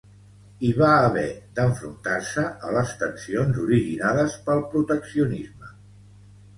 I va haver d'enfrontar-se a les tensions originades pel proteccionisme.